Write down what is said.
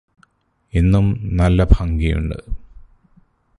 ഇന്നും നല്ല ഭംഗിയുണ്ട്